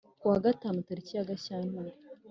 ku wa gatanu tariki ya gashyantare